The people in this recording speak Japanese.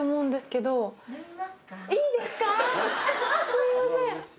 すいません。